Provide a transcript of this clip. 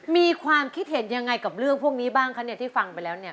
มีความคิดเห็นยังไงกับเรื่องพวกนี้บ้างคะเนี่ยที่ฟังไปแล้วเนี่ย